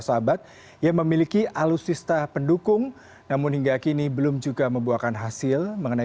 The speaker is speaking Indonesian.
sahabat yang memiliki alutsista pendukung namun hingga kini belum juga membuahkan hasil mengenai